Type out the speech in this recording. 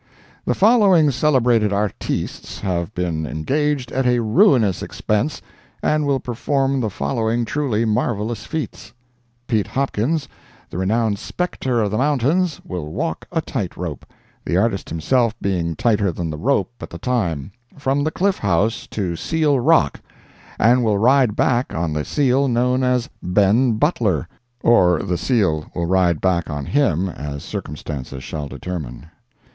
The following celebrated artistes have been engaged at a ruinous expense, and will perform the following truly marvelous feats: PETE HOPKINS, the renowned Spectre of the Mountains, will walk a tight rope—the artist himself being tighter than the rope at the time—from the Cliff House to Seal Rock, and will ride back on the Seal known as Ben Butler, or the Seal will ride back on him, as circumstances shall determine.